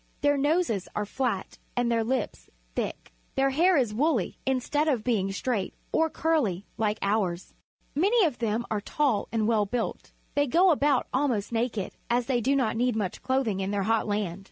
Their noses are flat and their lips thick. Their hair is woolh', instead of being straight or curly like ours. IVIany of them are tall and well built. They go about almost naked, as they do not need much clothing in their hot land.